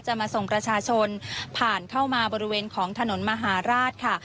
มาส่งประชาชนผ่านเข้ามาบริเวณของถนนมหาราชค่ะ